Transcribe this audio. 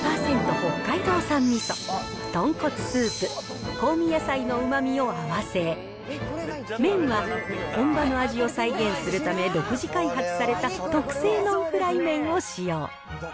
北海道産味噌、豚骨スープ、香味野菜のうまみを合わせ、麺は本場の味を再現するため、独自開発された特製ノンフライ麺を使用。